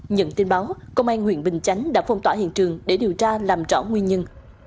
nhận tin báo công an huyện bình chánh đã phong tỏa hiện trường để điều tra làm rõ nguyên nhân